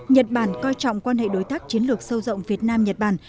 nhật bản coi trọng quan hệ đối tác chiến lược sâu rộng việt nam nhật bản